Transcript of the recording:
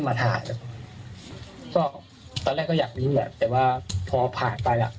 ประมาณถอดตัวสัมปันขึ้นมาถ่าย